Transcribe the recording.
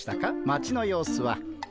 町の様子は。